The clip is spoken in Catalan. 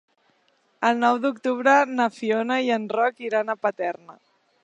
El nou d'octubre na Fiona i en Roc iran a Paterna.